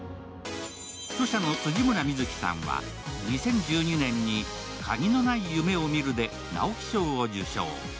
著者の辻村深月さんは２０１２年に「鍵のない夢を見る」で直木賞を受賞。